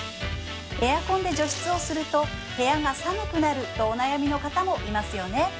エアコンで除湿をすると部屋が寒くなるとお悩みの方もいますよね